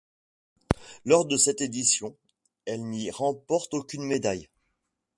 Lors de cette édition, elle n'y remporte aucune médaille.